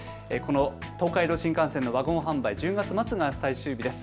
東海道新幹線のワゴン販売１０月末が最終日です。